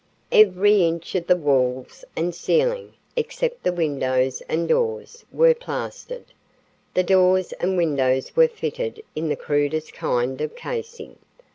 Every inch of the walls and ceiling, except the windows and doors, was plastered. The doors and windows were fitted in the crudest kind of casing.